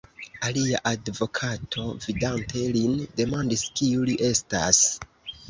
Alia advokato, vidante lin, demandis, kiu li estas.